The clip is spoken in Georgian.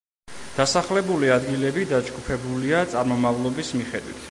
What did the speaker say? დასახლებული ადგილები დაჯგუფებულია წარმომავლობის მიხედვით.